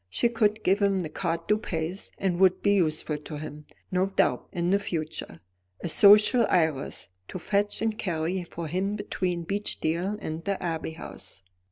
She could give him the carte du pays, and would be useful to him, no doubt, in the future; a social Iris, to fetch and carry for him between Beechdale and the Abbey House.